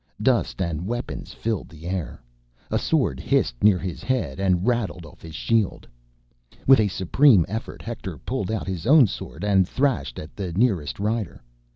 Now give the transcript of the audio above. Dust and weapons filled the air. A sword hissed near his head and rattled off his shield. With a supreme effort, Hector pulled out his own sword and thrashed at the nearest rider.